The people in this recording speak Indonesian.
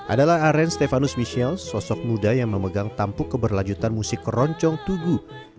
adalah aren stefanus michelle sosok muda yang memegang tampuk keberlanjutan musik keroncong tugu